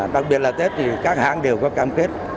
đặc biệt là tết thì các hãng đều có cam kết